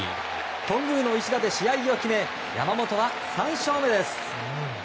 頓宮の一打で試合を決め山本は３勝目です。